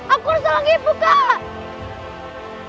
aku harus tolong ibu kak